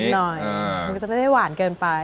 หน่อยมันก็จะไม่ได้หวานเกินไป